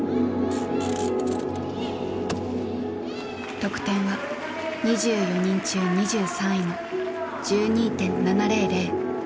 得点は２４人中２３位の１２．７００。